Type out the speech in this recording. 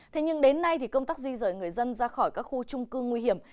thế nhưng đến nay thì công tác di rời người dân ra khỏi các khu trung cư nguy hiểm